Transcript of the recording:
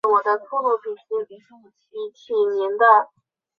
阿特金斯是前保守党政府国家遗产部和欧洲议会议员的女儿。